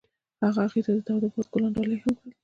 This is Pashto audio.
هغه هغې ته د تاوده باد ګلان ډالۍ هم کړل.